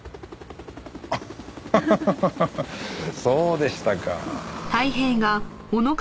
アッハハハそうでしたか。